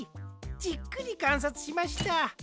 じっくりかんさつしました。